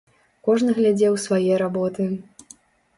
Кожны глядзеў свае работы.